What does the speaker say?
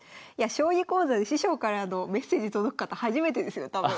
将棋講座で師匠からのメッセージ届く方初めてですよ多分。